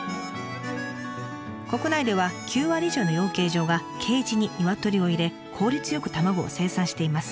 国内では９割以上の養鶏場がケージにニワトリを入れ効率よく卵を生産しています。